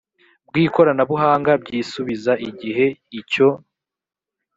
bw ikoranabuhanga byisubiza igihe icyo